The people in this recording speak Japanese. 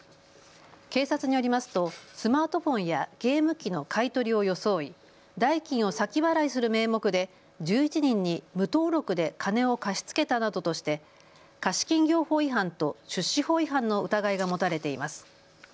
警察によりますとスマートフォンやゲーム機の買い取りを装い代金を先払いする名目で１１人に無登録で金を貸し付けたなどとして貸金業法違反と出資法違反の疑いが持たれています。